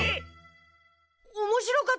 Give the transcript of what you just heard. おもしろかったです。